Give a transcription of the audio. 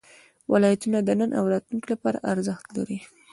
ولایتونه د نن او راتلونکي لپاره ارزښت لري.